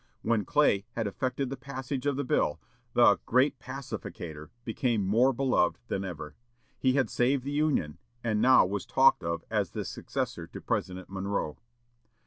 When Clay had effected the passage of the bill, the "great pacificator" became more beloved than ever. He had saved the Union, and now was talked of as the successor to President Monroe.